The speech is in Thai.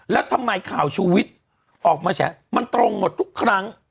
แล้วทำไมข่าวชูวิทย์ออกมาแฉะมันตรงหมดทุกครั้ง